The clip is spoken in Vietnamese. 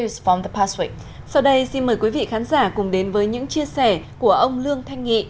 sau đây xin mời quý vị khán giả cùng đến với những chia sẻ của ông lương thanh nghị